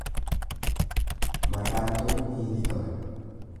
Mataan tolu miilli tola.